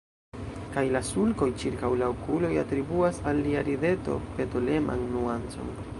Kaj la sulkoj ĉirkaŭ la okuloj atribuas al lia rideto petoleman nuancon.